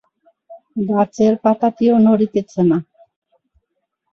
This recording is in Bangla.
গাছের পাতাটিও নড়িতেছে না।